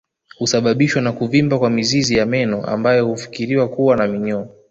Husababishwa na kuvimba kwa mizizi ya meno ambayo hufikiriwa kuwa na minyoo